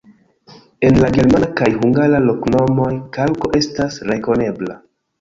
En la germana kaj hungara loknomoj kalko estas rekonebla.